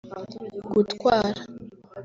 gutwara